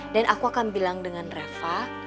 dan aku akan bilang dengan reva